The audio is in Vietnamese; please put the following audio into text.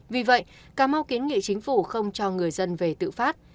vì vậy cà mau kiến nghị chính phủ không cho người dân về tự phát